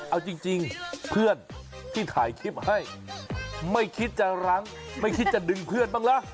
เอาจริงเพื่อนที่ถ่ายคลิปให้ไม่คิดจะรั้งไม่คิดจะดึงเพื่อนบ้างละ